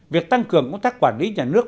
việc tăng cường công tác quản lý nhà nước